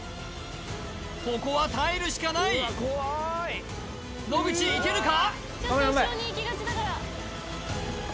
ここは耐えるしかない野口いけるか？